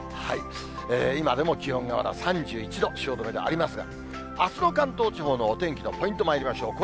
今でも気温がまだ３１度、汐留でありますが、あすの関東地方のお天気のポイントまいりましょう。